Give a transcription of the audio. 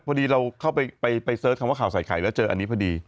พอดีเราเข้าไปเสิร์ชคำว่าข่าวใส่ไข่แล้วเจออันนี้พอดี